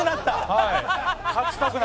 はい。